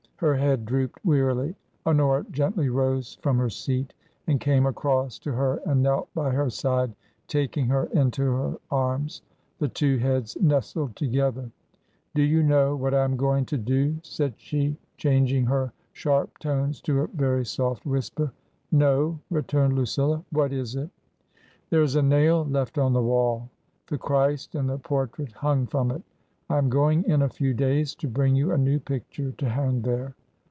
Her head drooped wearily. Honora gently rose from her seat and came across to her and knelt by her side, taking her into her arms. The too heads nestled together. " Do you know what I am going to do ?" said she, changing her sharp tones to a very soft whisper, " No," returned Lucilla ;" what is it ?"" There is a nail left on the wall ; the Christ and the portrait hung from it I am going in a few days to bring you a new picture to hang there."